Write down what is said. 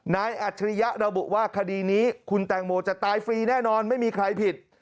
อัจฉริยะระบุว่าคดีนี้คุณแตงโมจะตายฟรีแน่นอนไม่มีใครผิด